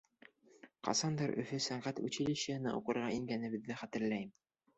Ҡасандыр Өфө сәнғәт училищеһына уҡырға ингәнебеҙҙе хәтерләйем.